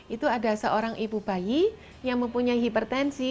itu ada seorang ibu bayi yang mempunyai hipertensi